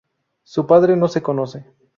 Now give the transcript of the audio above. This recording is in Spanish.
Su padre no se conoce.